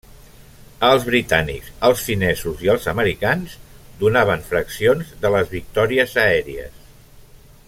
Els britànics, els finesos i els americans donaven fraccions de les victòries aèries.